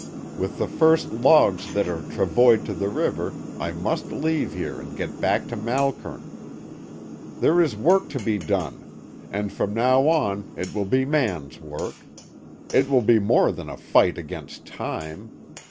With the first logs that are travoyed to the river I must leave here and get back to Malkern. There is work to be done, and from now on it will be man's work. It will be more than a fight against time.